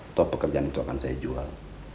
atau pekerjaan itu akan saya jual